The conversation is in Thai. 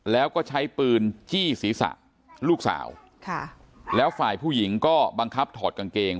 แล้วก็ใช้ปืนจี้ศีรษะลูกสาวค่ะแล้วฝ่ายผู้หญิงก็บังคับถอดกางเกง